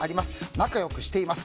仲良くしてます。